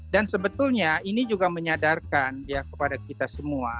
dan sebetulnya ini juga menyadarkan kepada kita semua